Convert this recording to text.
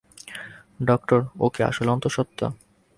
Doctor, ও কি আসলে অন্তঃসত্ত্বা?